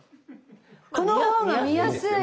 この方が見やすいわ！